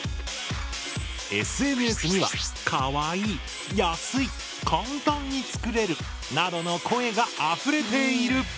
ＳＮＳには「かわいい」「安い」「簡単に作れる」などの声があふれている。